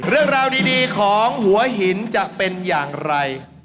เรื่องราวดีของหัวหินจะเป็นอย่างไร